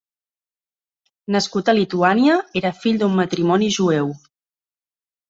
Nascut a Lituània, era fill d'un matrimoni jueu.